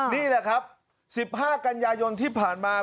นี่แหละครับ๑๕กันยายนที่ผ่านมา